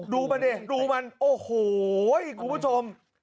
ดูมันดิดูมันโอ้โหคุณผู้ชม